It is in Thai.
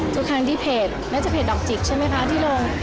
ทุกครั้งที่เพจแม้จะเพจดอกจิกใช่ไหมคะที่ลง